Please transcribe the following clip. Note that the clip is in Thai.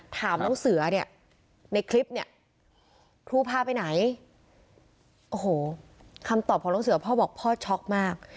ถามน้องเสือเนี่ยในคลิปเนี่ยครูพาไปไหนโอ้โหคำตอบของน้องเสือพ่อบอกพ่อช็อกมาก